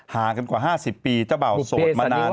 หากันกว่า๕๐ปีเจ้าบ่าวโสดมานาน